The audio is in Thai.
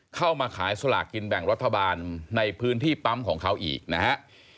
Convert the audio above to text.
เข้ามาขายสลากกินแบ่งรัฐบาลในพื้นที่ปั๊มของเขาอีกนะฮะ